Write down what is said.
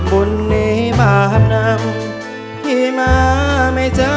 บุญในบาปนำพี่มาไม่เจอ